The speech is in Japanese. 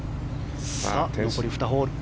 残り２ホール。